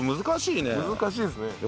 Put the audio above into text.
難しいですね。